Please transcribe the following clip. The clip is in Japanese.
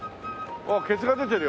おおケツが出てるよ。